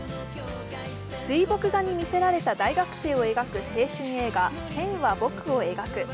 水墨画にみせられた大学生を描いた映画、「線は、僕を描く」。